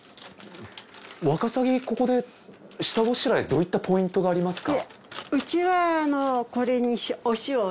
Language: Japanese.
ワカサギここで下ごしらえどういったポイントがありますか？